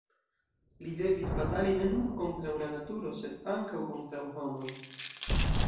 Li devis batali ne nur kontraŭ la naturo, sed ankaŭ kontraŭ homoj.